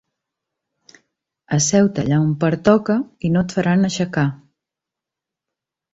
Asseu-te allà on pertoca i no et faran aixecar.